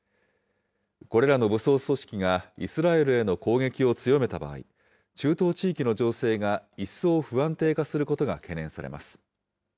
これらの武装組織が、イスラエルへの攻撃を強めた場合、中東地域の情勢が一層不安定化することが懸念されます。